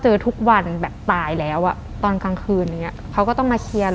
เจอหนูตายอะทุกวันเลยอะ